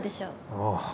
ああ。